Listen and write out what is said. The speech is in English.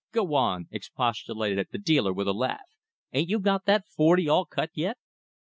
"Go on!" expostulated the dealer with a laugh, "ain't you got that forty all cut yet?"